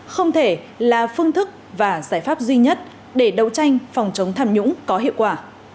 không thể là phương thức và giải pháp duy nhất để đấu tranh phòng chống tham nhũng có hiệu quả